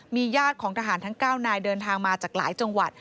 มีญาติของทหารทั้ง๙นายเดินทางมาจากหลายจังหวัด